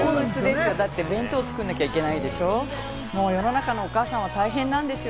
お弁当を作らなきゃいけないでしょ、世の中のお母さんは大変なんですよ。